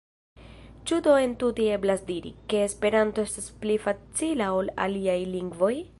Ĉu do entute eblas diri, ke Esperanto estas pli facila ol aliaj lingvoj?